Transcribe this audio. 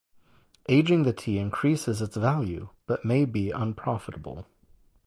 Aging the tea increases its value, but may be unprofitable.